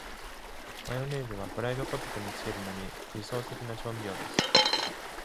マヨネーズはフライドポテトにつけるのに理想的な調味料です。